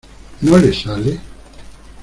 ¿ no le sale?